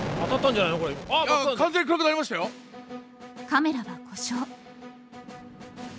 カメラは故障。